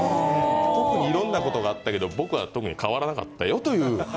いろんなことがあったけど僕は特に変わらなかったよという